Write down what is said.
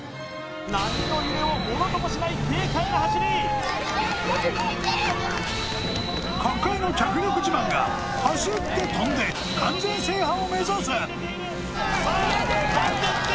波の揺れをものともしない軽快な走り各界の脚力自慢が走って跳んで完全制覇を目指す